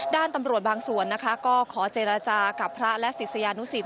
ด้านตำรวจบางส่วนนะคะก็ขอเจรจากับพระและศิษยานุสิต